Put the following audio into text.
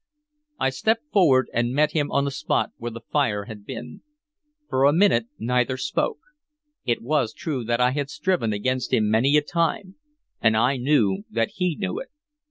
I stepped forward, and met him on the spot where the fire had been. For a minute neither spoke. It was true that I had striven against him many a time, and I knew that he knew it.